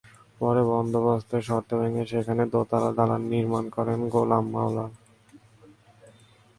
পরে বন্দোবস্তের শর্ত ভেঙে সেখানে দোতলা দালান নির্মাণ করেন গোলাম মাওলা।